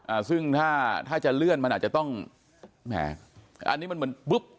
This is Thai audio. อ่าซึ่งถ้าถ้าจะเลื่อนมันอาจจะต้องแหมอันนี้มันเหมือนปุ๊บ